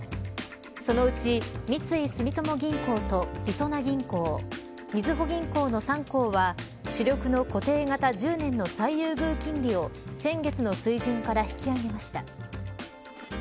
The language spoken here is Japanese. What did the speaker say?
そのうち三井住友銀行とりそな銀行みずほ銀行の３行は主力の固定型１０年の最優遇金利を先月の水準から引き上げました。